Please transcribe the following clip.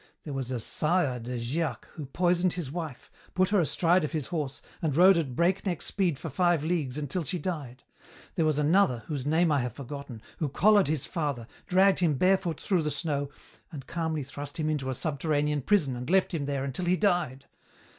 There was a sire de Giac who poisoned his wife, put her astride of his horse and rode at breakneck speed for five leagues, until she died. There was another, whose name I have forgotten, who collared his father, dragged him barefoot through the snow, and calmly thrust him into a subterranean prison and left him there until he died.